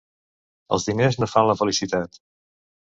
Els diners no fan la felicitat.